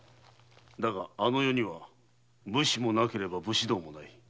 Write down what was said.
だがあの世には武士もなければ武士道もない。